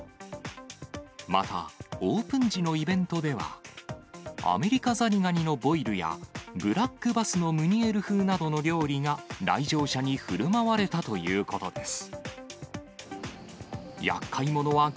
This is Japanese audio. また、オープン時のイベントでは、アメリカザリガニのボイルや、ブラックバスのムニエル風などの料理が、来場者にふるまわれたということです。